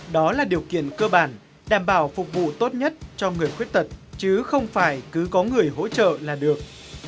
đó là điều kiện cơ bản đảm bảo phục vụ tốt nhất cho người khuyết tật chứ không phải cứ có người hỗ trợ là được